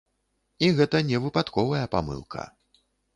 І гэта не выпадковая памылка.